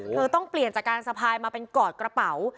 ต้องเปลี่ยนจากการสะพายมาเป็นกอดกระเป๋า